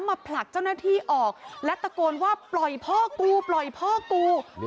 ผลักเจ้าหน้าที่ออกและตะโกนว่าปล่อยพ่อกูปล่อยพ่อกู